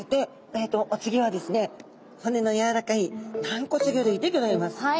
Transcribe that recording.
で骨のやわらかい軟骨魚類でギョざいます。